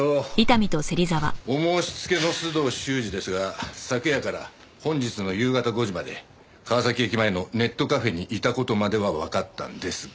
お申し付けの須藤修史ですが昨夜から本日の夕方５時まで川崎駅前のネットカフェにいた事まではわかったんですが。